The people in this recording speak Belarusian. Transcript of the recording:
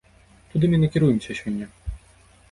Туды мы і накіруемся сёння.